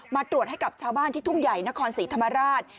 มาตรวจให้กับชาวบ้านที่ทุ่งใหญ่นครศรีธรรมราช